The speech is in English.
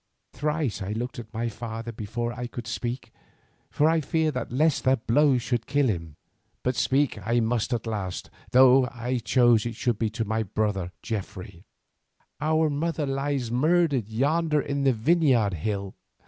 Thrice I looked at my father before I could speak, for I feared lest the blow should kill him. But speak I must at last, though I chose that it should be to Geoffrey my brother. "Our mother lies murdered yonder on the Vineyard Hill.